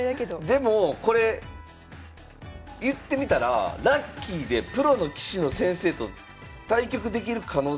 でもこれ言ってみたらラッキーでプロの棋士の先生と対局できる可能性あるってことですよね？